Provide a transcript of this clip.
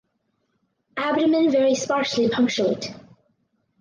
Abdomen very sparsely punctate.